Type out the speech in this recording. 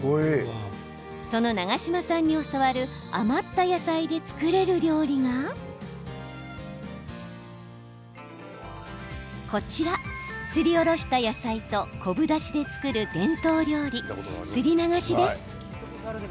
その長島さんに教わる余った野菜で作れる料理がこちら、すりおろした野菜と昆布だしで作る伝統料理すり流しです。